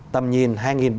tầm nhìn hai nghìn ba mươi năm